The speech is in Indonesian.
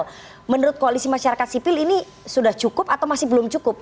kalau menurut koalisi masyarakat sipil ini sudah cukup atau masih belum cukup